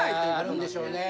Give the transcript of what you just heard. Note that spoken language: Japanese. あるでしょうね。